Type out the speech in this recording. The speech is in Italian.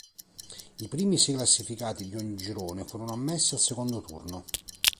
I primi sei classificati di ogni girone furono ammessi al secondo turno.